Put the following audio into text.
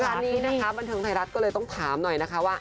งานนี้นะคะบันเทิงไทยรัฐก็เลยต้องถามหน่อยนะคะว่า